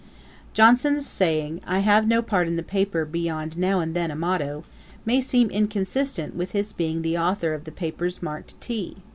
] Johnson's saying 'I have no part in the paper beyond now and then a motto,' may seem inconsistent with his being the authour of the papers marked T.